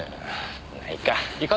ないか。